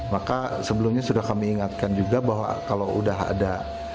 maka sebelumnya sudah kami ingatkan juga bahwa kalau sudah ada